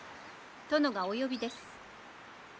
殿がお呼びです。